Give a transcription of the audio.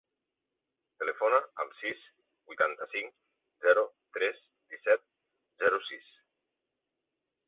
Telefona al sis, vuitanta-cinc, zero, tres, disset, zero, sis.